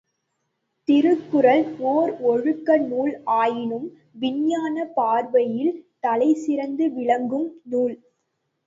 திருக்குறள் ஒர் ஒழுக்க நூல் ஆயினும் விஞ்ஞானப் பார்வையில் தலைசிறந்து விளங்கும் நூல்.